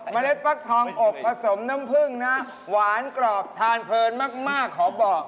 เล็ดฟักทองอบผสมน้ำผึ้งนะหวานกรอบทานเพลินมากขอบอก